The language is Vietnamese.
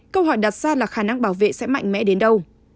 câu hỏi đặt ra là khả năng bảo vệ sẽ mạnh mẽ đến đâu